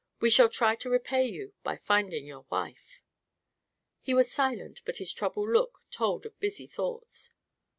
We shall try to repay you by finding your wife." He was silent, but his troubled look told of busy thoughts.